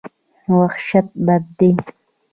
وحشت بد دی.